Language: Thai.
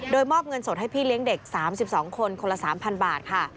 โดยมอบเงินสดให้พี่เลี้ยงเด็กสามสิบสองคนคนละสามพันบาทค่ะ